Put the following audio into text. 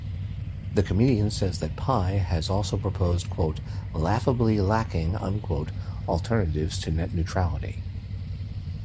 The comedian says that Pai has also proposed "laughably lacking" alternatives to net neutrality.